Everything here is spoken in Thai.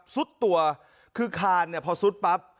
ซุดตัวคือคานพอซุดปั๊บ